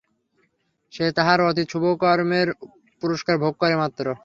সে তাহার অতীত শুভকর্মের পুরস্কার ভোগ করে মাত্র।